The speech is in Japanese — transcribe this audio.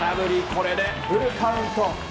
これでフルカウント。